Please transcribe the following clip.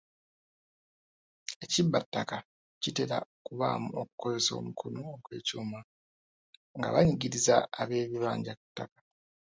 Ekibbattaka kitera okubaamu okukozesa omukono ogwekyuma nga banyigiriza ab'ebibanja ku ttaka..